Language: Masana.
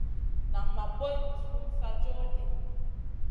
Nan ma poy zi sumun sa joh ɗi.